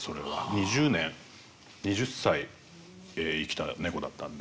２０年２０歳生きた猫だったんで。